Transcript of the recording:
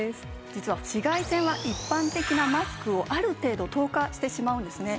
実は紫外線は一般的なマスクをある程度透過してしまうんですね。